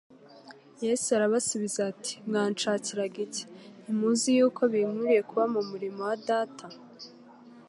Yesu arabasubiza ati '' Mwanshakiraga iki ? Ntimuzi yuko binkwiriye kuba mu murimo wa Data ?'